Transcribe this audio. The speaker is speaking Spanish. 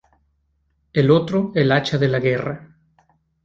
El otro, el hacha de la guerra.